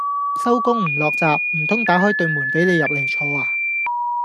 收工唔落閘，唔通打開對門俾你入嚟坐呀